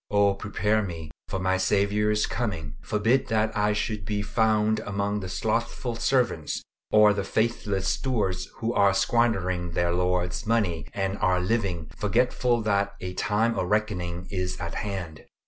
Oh prepare me for my Saviour's coming. Forbid that I should be found among the slothful servants or the faithless stewards who are squandering their Lord's money, and are living, forgetful that a time of reckoning is at hand!